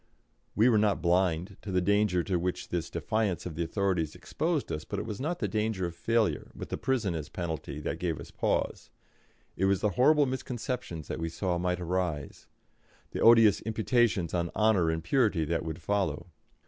We were not blind to the danger to which this defiance of the authorities exposed us, but it was not the danger of failure, with the prison as penalty, that gave us pause. It was the horrible misconceptions that we saw might arise; the odious imputations on honour and purity that would follow.